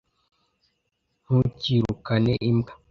ntukirukane imbwa